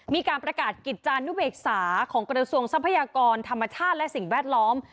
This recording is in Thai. มีการประกาศกิจจานุเบกษาของกระทรวงทรัพยากรธรรมชาติและสิ่งแวดล้อม